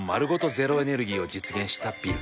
ゼロエネルギーを実現したビル。